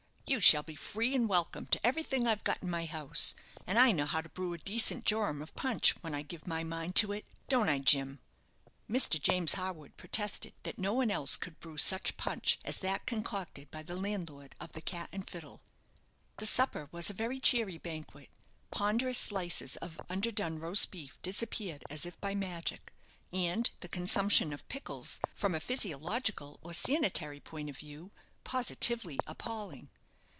"You shall be free and welcome to everything I've got in my house. And I know how to brew a decent jorum of punch when I give my mind to it, don't I, Jim?" Mr. James Harwood protested that no one else could brew such punch as that concocted by the landlord of the "Cat and Fiddle." The supper was a very cheery banquet; ponderous slices of underdone roast beef disappeared as if by magic, and the consumption of pickles, from a physiological or sanitary point of view, positively appalling.